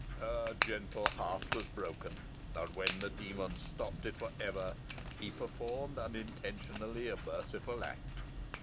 Her gentle heart was broken, and, when the demon stopped it for ever, he performed unintentionally a merciful act.